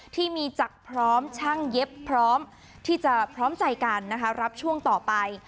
ที่มีจักรพร้อมช่างเย็บพร้อมที่จะพร้อมใจกันนะคะรับช่วงต่อไป